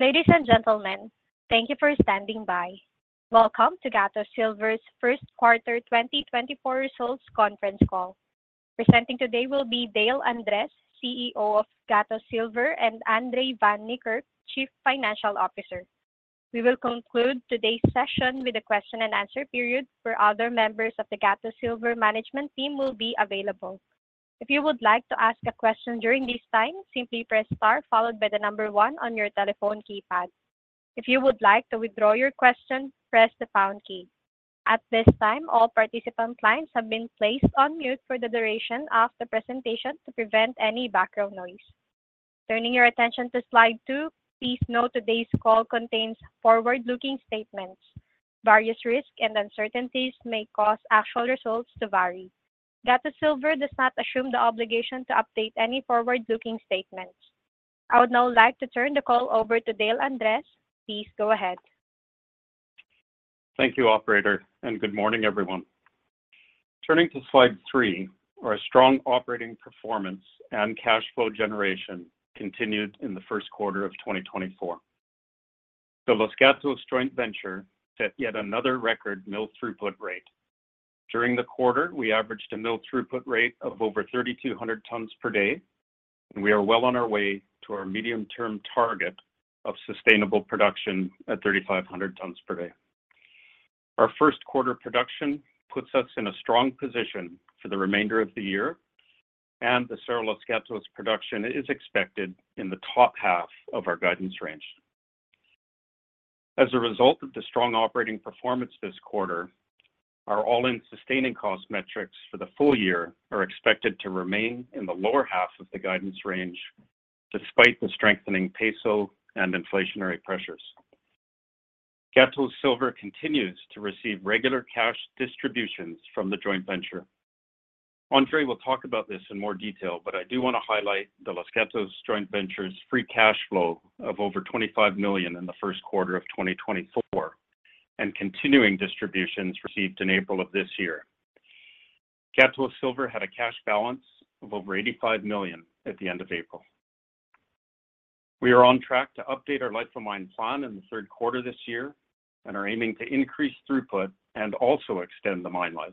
Ladies and gentlemen, thank you for standing by. Welcome to Gatos Silver's First Quarter 2024 Results Conference Call. Presenting today will be Dale Andres, CEO of Gatos Silver, and André van Niekerk, Chief Financial Officer. We will conclude today's session with a question and answer period, where other members of the Gatos Silver management team will be available. If you would like to ask a question during this time, simply press Star followed by the number 1 on your telephone keypad. If you would like to withdraw your question, press the pound key. At this time, all participant lines have been placed on mute for the duration of the presentation to prevent any background noise. Turning your attention to slide 2, please note today's call contains forward-looking statements. Various risks and uncertainties may cause actual results to vary. Gatos Silver does not assume the obligation to update any forward-looking statements. I would now like to turn the call over to Dale Andres. Please go ahead. Thank you, operator, and good morning, everyone. Turning to slide 3, our strong operating performance and cash flow generation continued in the first quarter of 2024. The Los Gatos Joint Venture set yet another record mill throughput rate. During the quarter, we averaged a mill throughput rate of over 3,200 tons per day, and we are well on our way to our medium-term target of sustainable production at 3,500 tons per day. Our first quarter production puts us in a strong position for the remainder of the year, and the Cerro Los Gatos production is expected in the top half of our guidance range. As a result of the strong operating performance this quarter, our All-in Sustaining Costs metrics for the full year are expected to remain in the lower half of the guidance range, despite the strengthening peso and inflationary pressures. Gatos Silver continues to receive regular cash distributions from the joint venture. Andre will talk about this in more detail, but I do want to highlight the Los Gatos Joint Venture's free cash flow of over $25 million in the first quarter of 2024, and continuing distributions received in April of this year. Gatos Silver had a cash balance of over $85 million at the end of April. We are on track to update our life of mine plan in the third quarter this year and are aiming to increase throughput and also extend the mine life.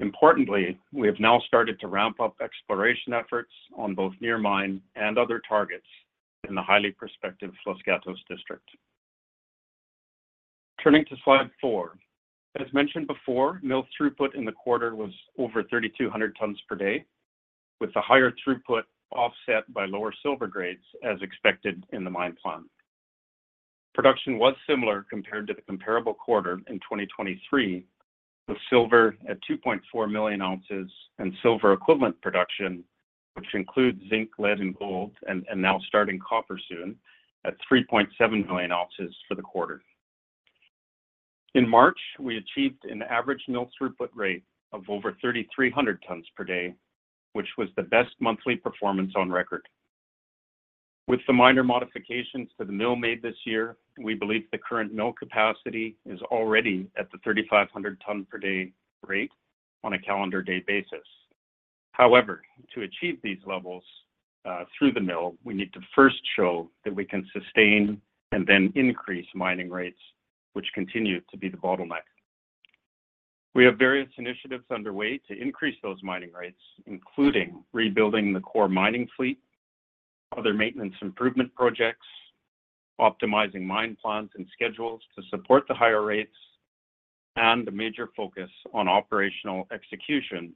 Importantly, we have now started to ramp up exploration efforts on both near mine and other targets in the highly prospective Los Gatos District. Turning to slide 4. As mentioned before, mill throughput in the quarter was over 3,200 tons per day, with the higher throughput offset by lower silver grades as expected in the mine plan. Production was similar compared to the comparable quarter in 2023, with silver at 2.4 million oz and silver equivalent production, which includes zinc, lead, and gold, and now starting copper soon at 3.7 million oz for the quarter. In March, we achieved an average mill throughput rate of over 3,300 tons per day, which was the best monthly performance on record. With the minor modifications to the mill made this year, we believe the current mill capacity is already at the 3,500 ton per day rate on a calendar day basis. However, to achieve these levels through the mill, we need to first show that we can sustain and then increase mining rates, which continue to be the bottleneck. We have various initiatives underway to increase those mining rates, including rebuilding the core mining fleet, other maintenance improvement projects, optimizing mine plans and schedules to support the higher rates, and a major focus on operational execution,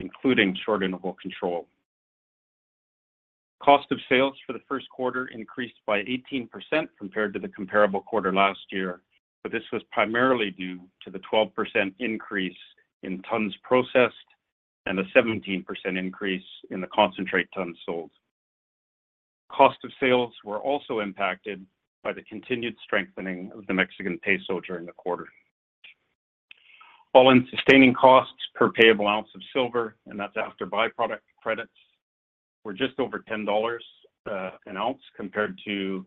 including short interval control. Cost of sales for the first quarter increased by 18% compared to the comparable quarter last year, but this was primarily due to the 12% increase in tons processed and a 17% increase in the concentrate tons sold. Cost of sales were also impacted by the continued strengthening of the Mexican peso during the quarter. All-in Sustaining Costs per payable ounce of silver, and that's after byproduct credits, were just over $10 an ounce, compared to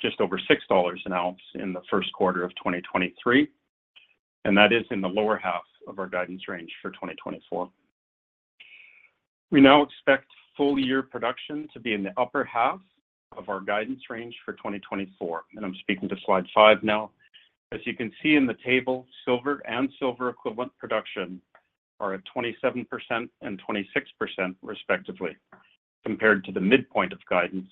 just over $6 an ounce in the first quarter of 2023, and that is in the lower half of our guidance range for 2024. We now expect full year production to be in the upper half of our guidance range for 2024, and I'm speaking to slide 5 now. As you can see in the table, silver and silver equivalent production are at 27% and 26% respectively, compared to the midpoint of guidance,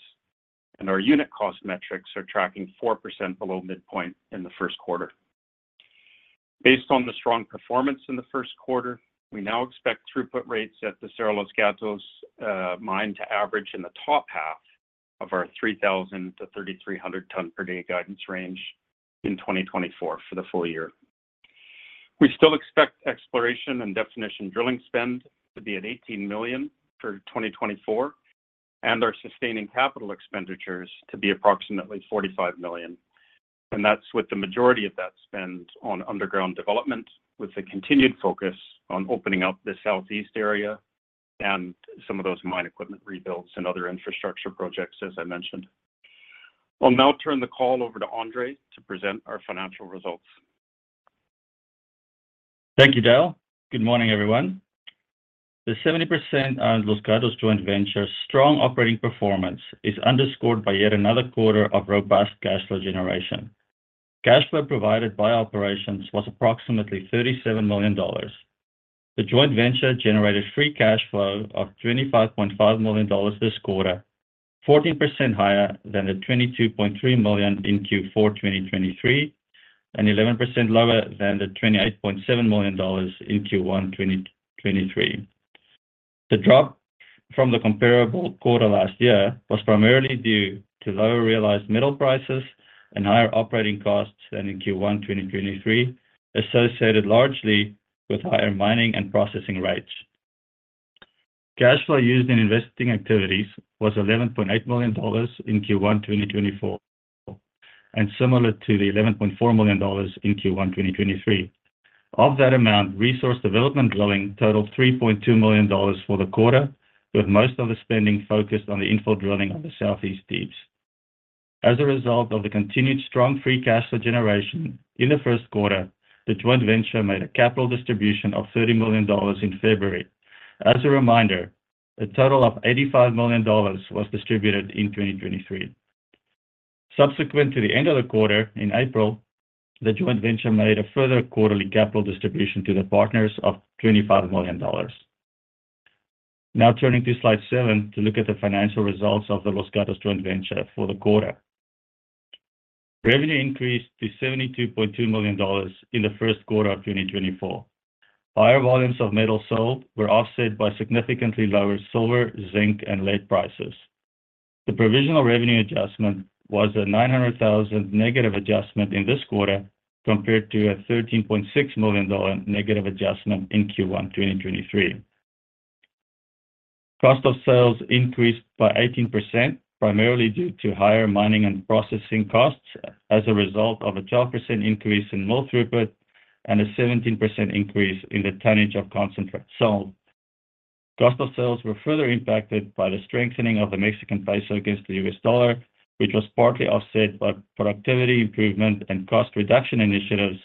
and our unit cost metrics are tracking 4% below midpoint in the first quarter. Based on the strong performance in the first quarter, we now expect throughput rates at the Cerro Los Gatos, mine to average in the top half of our 3,000-3,300 tons per day guidance range in 2024 for the full year. We still expect exploration and definition drilling spend to be at $18 million for 2024 and our sustaining capital expenditures to be approximately $45 million, and that's with the majority of that spend on underground development, with a continued focus on opening up the southeast area and some of those mine equipment rebuilds and other infrastructure projects, as I mentioned. I'll now turn the call over to Andre to present our financial results. Thank you, Dale. Good morning, everyone. The 70% owned Los Gatos Joint Venture strong operating performance is underscored by yet another quarter of robust cash flow generation. Cash flow provided by operations was approximately $37 million. The joint venture generated free cash flow of $25.5 million this quarter, 14% higher than the $22.3 million in Q4 2023, and 11% lower than the $28.7 million in Q1 2023. The drop from the comparable quarter last year was primarily due to lower realized metal prices and higher operating costs than in Q1 2023, associated largely with higher mining and processing rates. Cash flow used in investing activities was $11.8 million in Q1 2024, and similar to the $11.4 million in Q1 2023. Of that amount, resource development drilling totaled $3.2 million for the quarter, with most of the spending focused on the infill drilling of the Southeast Deeps. As a result of the continued strong free cash flow generation in the first quarter, the joint venture made a capital distribution of $30 million in February. As a reminder, a total of $85 million was distributed in 2023. Subsequent to the end of the quarter, in April, the joint venture made a further quarterly capital distribution to the partners of $25 million. Now turning to Slide 7 to look at the financial results of the Los Gatos joint venture for the quarter. Revenue increased to $72.2 million in the first quarter of 2024. Higher volumes of metal sold were offset by significantly lower silver, zinc, and lead prices. The provisional revenue adjustment was a $900,000 negative adjustment in this quarter, compared to a $13.6 million negative adjustment in Q1 2023. Cost of sales increased by 18%, primarily due to higher mining and processing costs as a result of a 12% increase in mill throughput and a 17% increase in the tonnage of concentrate sold. Cost of sales were further impacted by the strengthening of the Mexican peso against the US dollar, which was partly offset by productivity improvement and cost reduction initiatives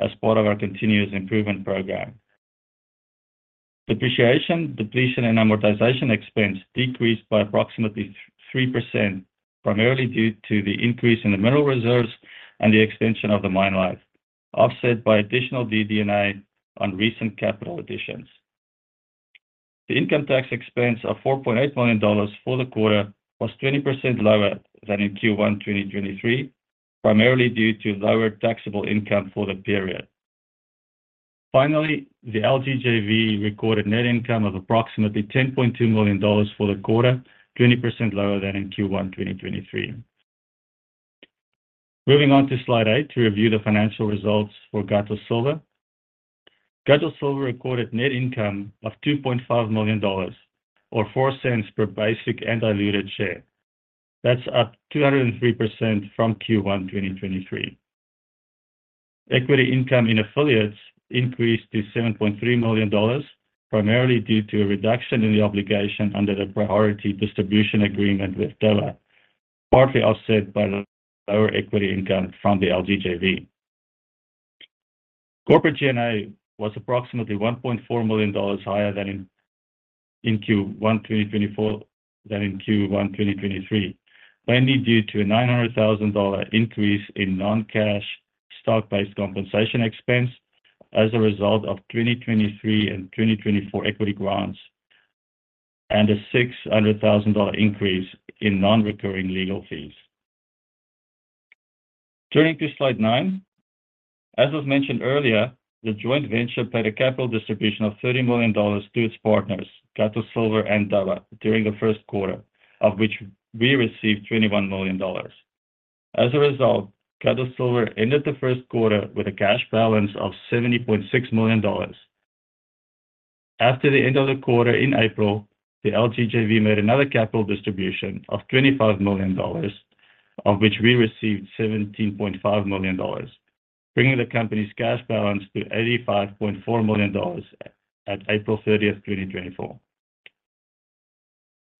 as part of our continuous improvement program. Depreciation, depletion, and amortization expense decreased by approximately 3%, primarily due to the increase in the mineral reserves and the extension of the mine life, offset by additional DD&A on recent capital additions. The income tax expense of $4.8 million for the quarter was 20% lower than in Q1 2023, primarily due to lower taxable income for the period. Finally, the LGJV recorded net income of approximately $10.2 million for the quarter, 20% lower than in Q1 2023. Moving on to Slide 8 to review the financial results for Gatos Silver. Gatos Silver recorded net income of $2.5 million, or $0.04 per basic and diluted share. That's up 203% from Q1 2023. Equity income in affiliates increased to $7.3 million, primarily due to a reduction in the obligation under the priority distribution agreement with Dowa, partly offset by the lower equity income from the LGJV. Corporate G&A was approximately $1.4 million higher than in Q1 2024 than in Q1 2023, mainly due to a $900,000 increase in non-cash stock-based compensation expense as a result of 2023 and 2024 equity grants, and a $600,000 increase in non-recurring legal fees. Turning to Slide 9. As was mentioned earlier, the joint venture paid a capital distribution of $30 million to its partners, Gatos Silver and Dowa, during the first quarter, of which we received $21 million. As a result, Gatos Silver ended the first quarter with a cash balance of $70.6 million. After the end of the quarter in April, the LGJV made another capital distribution of $25 million, of which we received $17.5 million, bringing the company's cash balance to $85.4 million at April 30, 2024.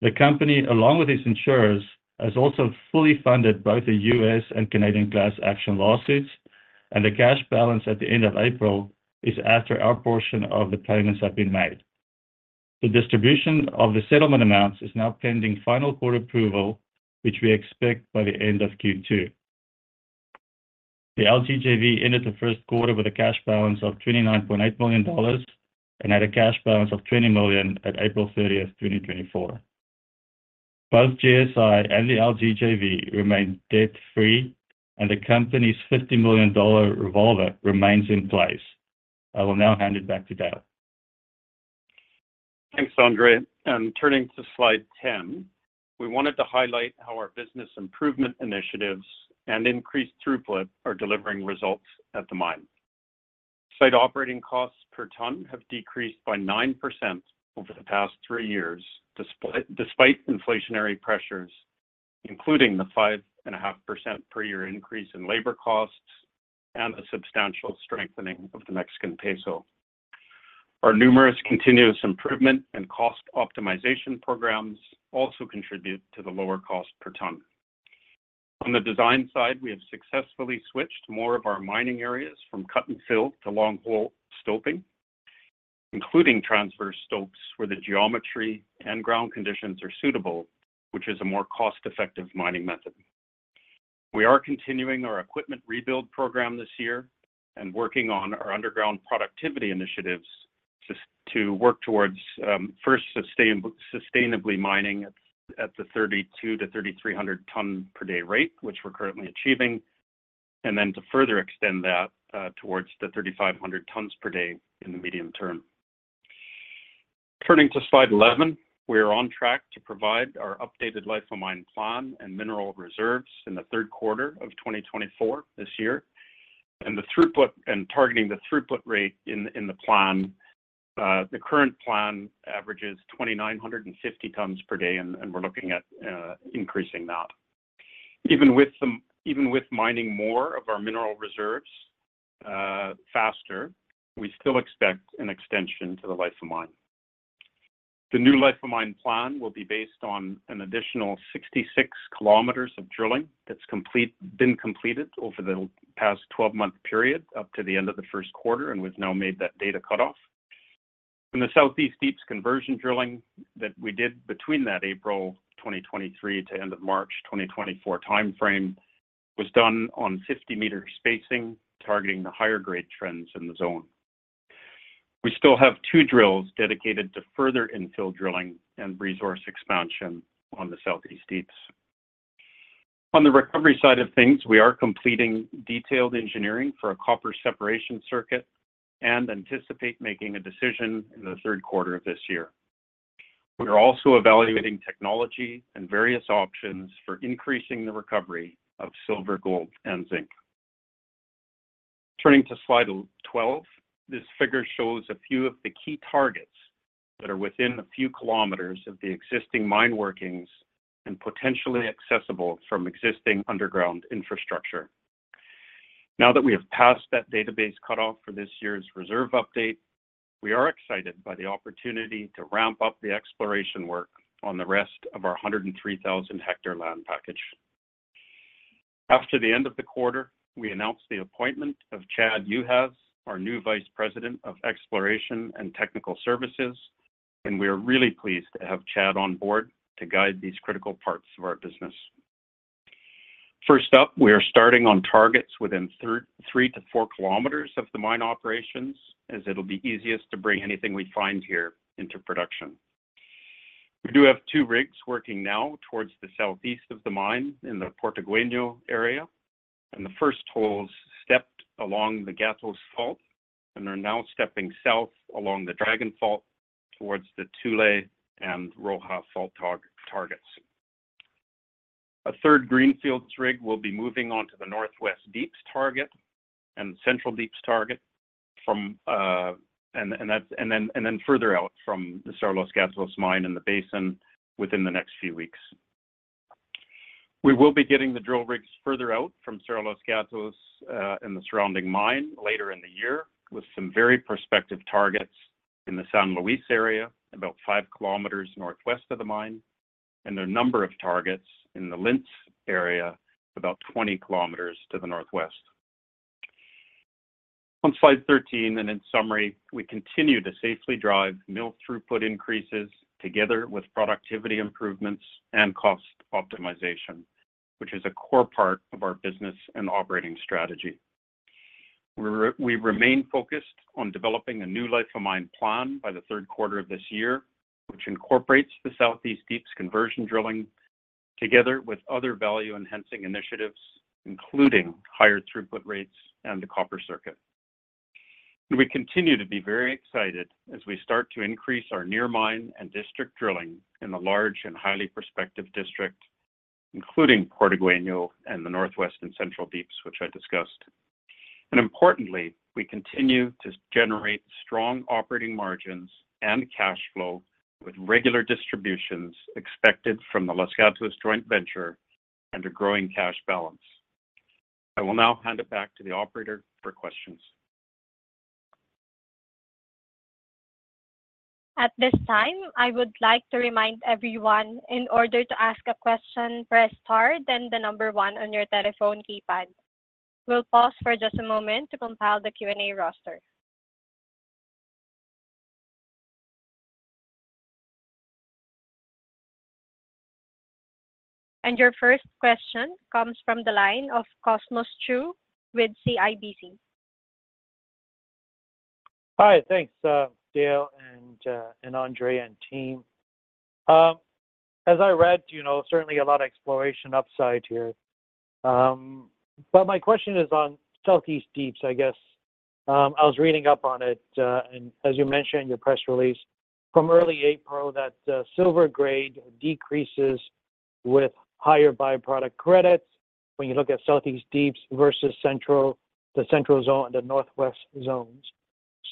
The company, along with its insurers, has also fully funded both the U.S. and Canadian class action lawsuits, and the cash balance at the end of April is after our portion of the payments have been made. The distribution of the settlement amounts is now pending final court approval, which we expect by the end of Q2. The LGJV ended the first quarter with a cash balance of $29.8 million and had a cash balance of $20 million at April 30, 2024. Both GSI and the LGJV remain debt-free, and the company's $50 million revolver remains in place. I will now hand it back to Dale. Thanks, Andre. Turning to slide 10, we wanted to highlight how our business improvement initiatives and increased throughput are delivering results at the mine. Site operating costs per ton have decreased by 9% over the past three years, despite inflationary pressures, including the 5.5% per year increase in labor costs and a substantial strengthening of the Mexican peso. Our numerous continuous improvement and cost optimization programs also contribute to the lower cost per ton. On the design side, we have successfully switched more of our mining areas from cut and fill to long-hole stoping, including transverse stopes, where the geometry and ground conditions are suitable, which is a more cost-effective mining method. We are continuing our equipment rebuild program this year and working on our underground productivity initiatives to work towards first sustainably mining at the 3,200-3,300 tons per day rate, which we're currently achieving, and then to further extend that towards the 3,500 tons per day in the medium term. Turning to slide 11, we are on track to provide our updated life of mine plan and mineral reserves in the third quarter of 2024, this year. Targeting the throughput rate in the plan, the current plan averages 2,950 tons per day, and we're looking at increasing that. Even with mining more of our mineral reserves faster, we still expect an extension to the life of mine. The new life of mine plan will be based on an additional 66 kilometers of drilling that's been completed over the past 12-month period, up to the end of the first quarter, and we've now made that data cutoff. In the Southeast Deeps conversion drilling that we did between that April 2023 to end of March 2024 timeframe, was done on 50-meter spacing, targeting the higher grade trends in the zone. We still have two drills dedicated to further infill drilling and resource expansion on the Southeast Deeps. On the recovery side of things, we are completing detailed engineering for a copper separation circuit and anticipate making a decision in the third quarter of this year. We are also evaluating technology and various options for increasing the recovery of silver, gold, and zinc. Turning to slide 12, this figure shows a few of the key targets that are within a few kilometers of the existing mine workings and potentially accessible from existing underground infrastructure. Now that we have passed that database cut off for this year's reserve update, we are excited by the opportunity to ramp up the exploration work on the rest of our 103,000-hectare land package. After the end of the quarter, we announced the appointment of Chad Juhas, our new Vice President of Exploration and Technical Services, and we are really pleased to have Chad on board to guide these critical parts of our business. First up, we are starting on targets within three to four kilometers of the mine operations, as it'll be easiest to bring anything we find here into production. We do have two rigs working now towards the southeast of the mine, in the Portigueño area, and the first holes stepped along the Gatos Fault and are now stepping south along the Dragon Fault towards the Thule Fault and Roja Fault targets. A third greenfields rig will be moving on to the Northwest Deeps target and Central Deeps target further out from the Cerro Los Gatos mine in the basin within the next few weeks. We will be getting the drill rigs further out from Cerro Los Gatos and the surrounding mine later in the year, with some very prospective targets in the San Luis area, about five kilometers northwest of the mine, and there are a number of targets in the Lince area, about 20 kilometers to the northwest. On slide 13, and in summary, we continue to safely drive mill throughput increases together with productivity improvements and cost optimization, which is a core part of our business and operating strategy. We remain focused on developing a new life of mine plan by the third quarter of this year, which incorporates the Southeast Deeps conversion drilling, together with other value-enhancing initiatives, including higher throughput rates and the copper circuit. And we continue to be very excited as we start to increase our near mine and district drilling in the large and highly prospective district, including Portigueño and the Northwest and Central Deeps, which I discussed. And importantly, we continue to generate strong operating margins and cash flow, with regular distributions expected from the Los Gatos Joint Venture and a growing cash balance. I will now hand it back to the operator for questions. At this time, I would like to remind everyone, in order to ask a question, press star, then the number one on your telephone keypad. We'll pause for just a moment to compile the Q&A roster. Your first question comes from the line of Cosmos Chiu with CIBC. Hi. Thanks, Dale and Andre and team. As I read, you know, certainly a lot of exploration upside here. But my question is on Southeast Deeps, I guess. I was reading up on it, and as you mentioned in your press release from early April, that silver grade decreases with higher by-product credits when you look at Southeast Deeps versus Central Deeps, the Central Zone and the Northwest zones.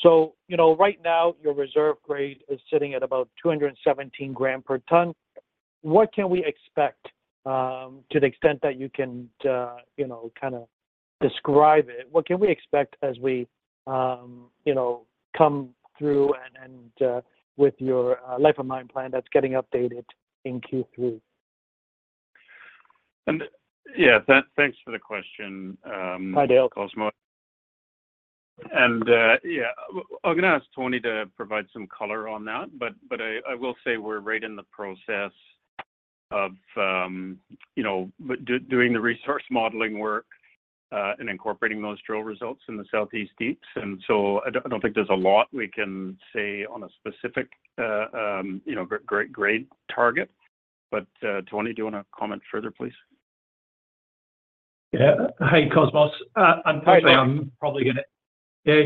So, you know, right now, your reserve grade is sitting at about 217 gram per ton. What can we expect, to the extent that you can, you know, kind of describe it, what can we expect as we, you know, come through and with your life of mine plan that's getting updated in Q3? Yeah, thanks for the question. Hi, Dale Cosmos. And, yeah, I'm gonna ask Tony to provide some color on that, but I will say we're right in the process of, you know, doing the resource modeling work, and incorporating those drill results in the Southeast Deeps. And so I don't think there's a lot we can say on a specific, you know, grade target. But, Tony, do you wanna comment further, please? Yeah. Hey, Cosmos. Unfortunately- Hi, Tony I'm probably gonna. Yeah,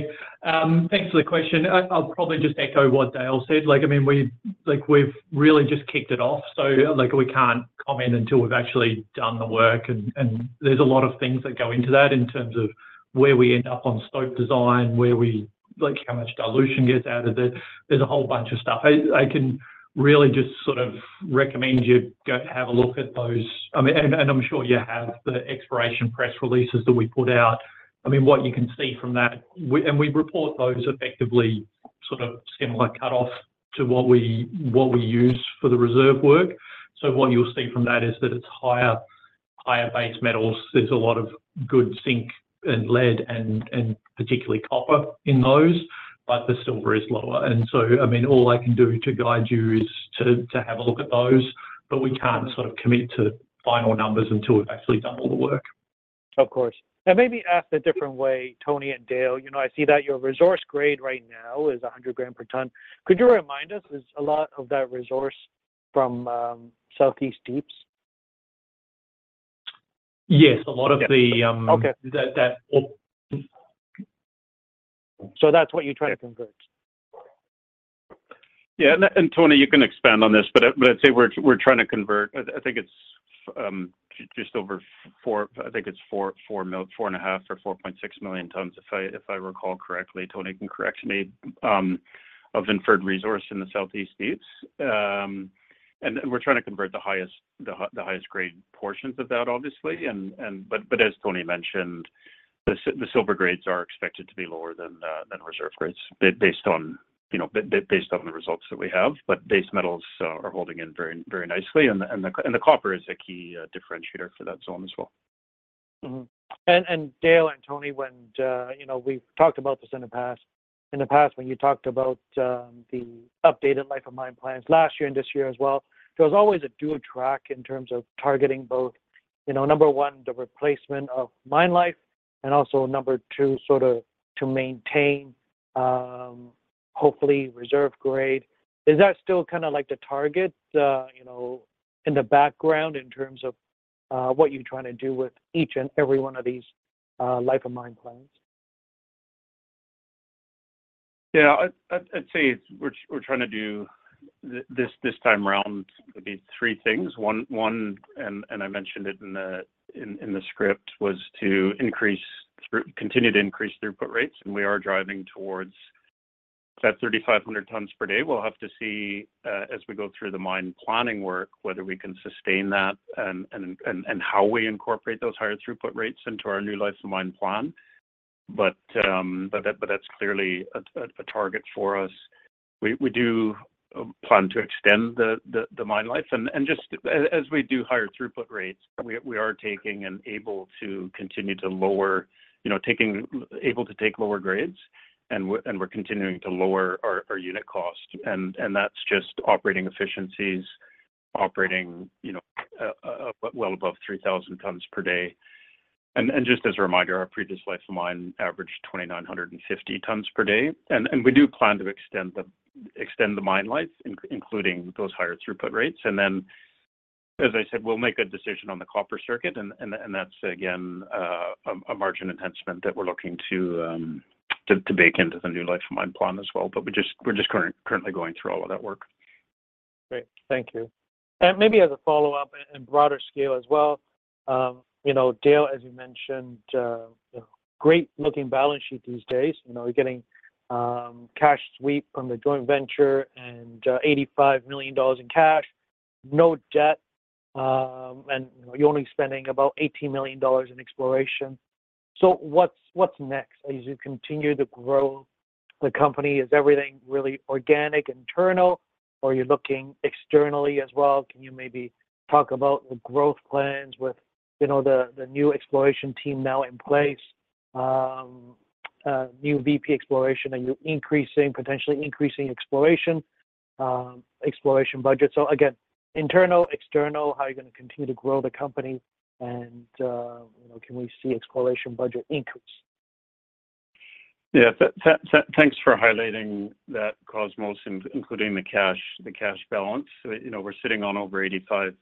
thanks for the question. I'll probably just echo what Dale said. Like, I mean, we've, like, we've really just kicked it off, so, like, we can't comment until we've actually done the work, and there's a lot of things that go into that in terms of where we end up on stope design, where, like, how much dilution gets out of it. There's a whole bunch of stuff. I can really just sort of recommend you go have a look at those. I mean, I'm sure you have the exploration press releases that we put out. I mean, what you can see from that, we, and we report those effectively, sort of similar cutoff to what we use for the reserve work. So what you'll see from that is that it's higher base metals. There's a lot of good zinc and lead and particularly copper in those, but the silver is lower. So, I mean, all I can do to guide you is to have a look at those, but we can't sort of commit to final numbers until we've actually done all the work. Of course. And maybe ask a different way, Tony and Dale, you know, I see that your resource grade right now is 100 gram per ton. Could you remind us, is a lot of that resource from, Southeast Deeps? Yes, a lot of the, Okay that So that's what you're trying to convert? Yeah, and Tony, you can expand on this, but I'd say we're trying to convert, I think it's just over 4 million tons, if I recall correctly. Tony can correct me of inferred resource in the Southeast Deeps. And we're trying to convert the highest grade portions of that, obviously. But as Tony mentioned, the silver grades are expected to be lower than reserve grades, based on, you know, based on the results that we have. But base metals are holding up very, very nicely, and the copper is a key differentiator for that zone as well. Mm-hmm. And Dale and Tony, when you know, we've talked about this in the past, when you talked about the updated life of mine plans last year and this year as well, there was always a dual track in terms of targeting both, you know, number one, the replacement of mine life, and also number two, sort of to maintain hopefully, reserve grade. Is that still kinda like the target, you know, in the background in terms of what you're trying to do with each and every one of these life of mine plans? Yeah, I'd say we're trying to do this time around maybe three things. One, and I mentioned it in the script, was to increase throughput, continue to increase throughput rates, and we are driving towards that 3,500 tons per day. We'll have to see as we go through the mine planning work whether we can sustain that and how we incorporate those higher throughput rates into our new life of mine plan. But that that's clearly a target for us. We do plan to extend the mine life. Just as we do higher throughput rates, we are taking and able to continue to lower, you know, able to take lower grades, and we're continuing to lower our unit cost, and that's just operating efficiencies, operating, you know, well above 3,000 tons per day. Just as a reminder, our previous life of mine averaged 2,950 tons per day, and we do plan to extend the mine life, including those higher throughput rates. And then, as I said, we'll make a decision on the copper circuit, and that's again a margin enhancement that we're looking to bake into the new life of mine plan as well. But we're just currently going through all of that work. Great. Thank you. And maybe as a follow-up and broader scale as well, you know, Dale, as you mentioned, you know, great looking balance sheet these days. You know, we're getting cash sweep from the joint venture and $85 million in cash, no debt, and you're only spending about $18 million in exploration. So what's next? As you continue to grow the company, is everything really organic, internal, or are you looking externally as well? Can you maybe talk about the growth plans with, you know, the new exploration team now in place, new VP exploration, are you increasing, potentially increasing exploration exploration budget? So again, internal, external, how are you gonna continue to grow the company? And, you know, can we see exploration budget increase? Yeah. Thanks for highlighting that, Cosmos, including the cash, the cash balance. You know, we're sitting on over $85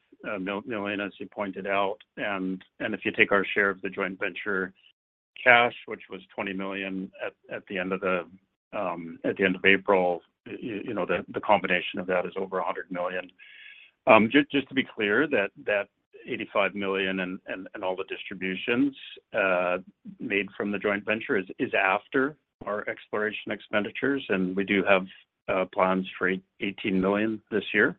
million, as you pointed out, and if you take our share of the joint venture cash, which was $20 million at the end of April, you know, the combination of that is over $100 million. Just to be clear, that $85 million and all the distributions made from the joint venture is after our exploration expenditures, and we do have plans for $18 million this year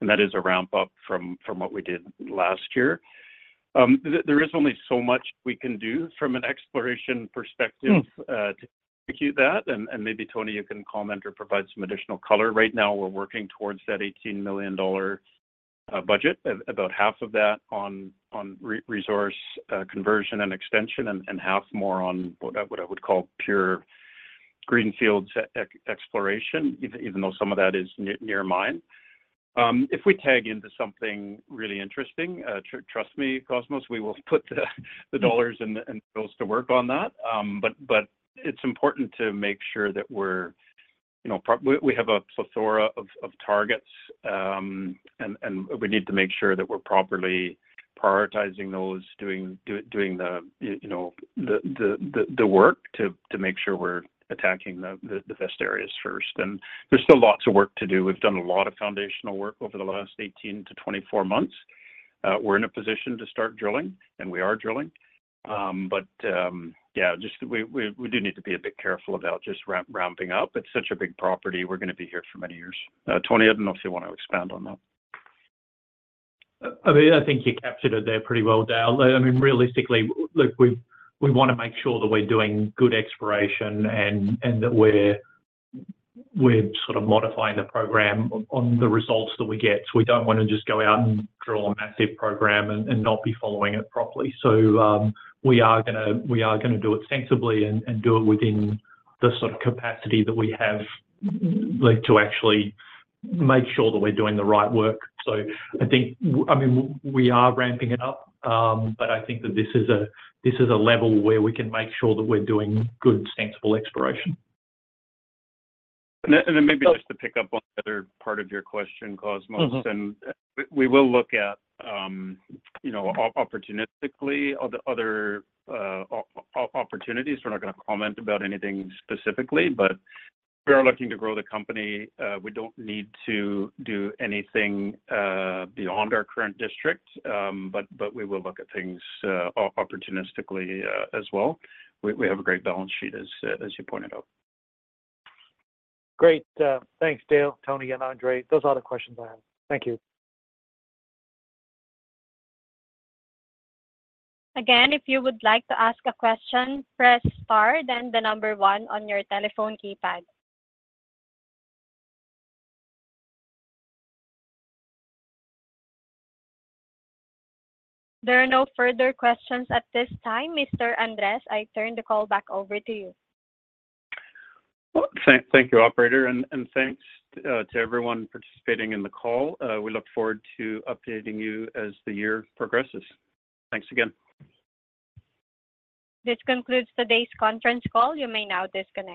and that is a ramp up from what we did last year. There is only so much we can do from an exploration perspective to execute that, and maybe, Tony, you can comment or provide some additional color. Right now, we're working towards that $18 million budget, about half of that on resource conversion and extension, and half more on what I would call pure greenfields exploration, even though some of that is near mine. If we tag into something really interesting, trust me, Cosmos, we will put the dollars and those to work on that. But, but it's important to make sure that we're, you know, properly, we have a plethora of targets, and we need to make sure that we're properly prioritizing those, doing the work to, you know, make sure we're attacking the best areas first. And there's still lots of work to do. We've done a lot of foundational work over the last 18-24 months. We're in a position to start drilling, and we are drilling. But, yeah, just we do need to be a bit careful about just ramping up. It's such a big property, we're gonna be here for many years. Tony, I don't know if you want to expand on that. I think you captured it there pretty well, Dale. I mean, realistically, look, we wanna make sure that we're doing good exploration and that we're sort of modifying the program on the results that we get. We don't wanna just go out and drill a massive program and not be following it properly. So, we are gonna do it sensibly and do it within the sort of capacity that we have, like, to actually make sure that we're doing the right work. So I think, I mean, we are ramping it up, but I think that this is a level where we can make sure that we're doing good, sensible exploration. And then maybe just to pick up on the other part of your question, Cosmos- Mm-hmm. We will look at, you know, opportunistically at the other opportunities. We're not gonna comment about anything specifically, but we are looking to grow the company. We don't need to do anything beyond our current district, but we will look at things opportunistically, as well. We have a great balance sheet, as you pointed out. Great. Thanks, Dale, Tony, and Andre. Those are all the questions I have. Thank you. Again, if you would like to ask a question, press Star, then the number 1 on your telephone keypad. There are no further questions at this time. Mr. Andres, I turn the call back over to you. Well, thank you, operator, and thanks to everyone participating in the call. We look forward to updating you as the year progresses. Thanks again. This concludes today's conference call. You may now disconnect.